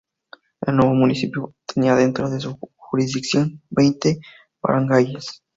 El nuevo municipio tenía dentro de su jurisdicción veinte barangayes.